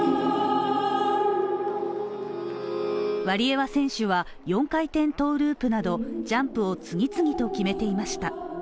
ワリエワ選手は４回転トゥーループなど、ジャンプを次々決めていました。